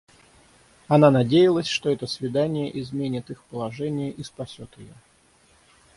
Она надеялась, что это свидание изменит их положение и спасет ее.